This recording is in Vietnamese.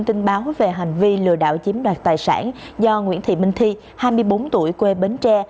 và đảm bảo về hành vi lừa đảo chiếm đoạt tài sản do nguyễn thị minh thi hai mươi bốn tuổi quê bến tre